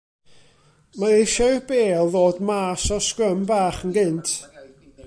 Mae eisiau i'r bêl ddod mas o'r sgrym bach yn gynt.